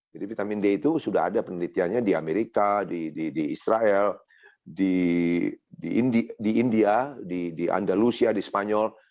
jadi vitamin d itu sudah ada penelitiannya di amerika di israel di india di andalusia di spanyol